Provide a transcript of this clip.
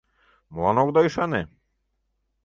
— Молан огыда ӱшане?